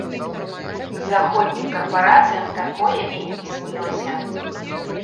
Заходнім карпарацыям такое і не снілася.